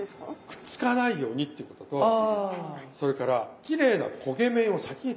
くっつかないようにっていうこととそれからきれいな焦げ目を先につけちゃう。